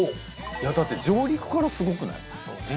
だって上陸からすごくない？